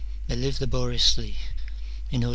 They live laboriously, in order that Cfl.